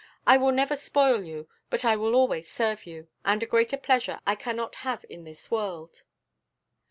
I will never spoil you, but I will always serve you, and a greater pleasure I cannot have in this world."